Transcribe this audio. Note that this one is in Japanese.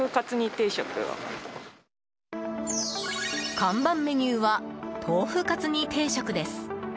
看板メニューは豆腐かつ煮定食です。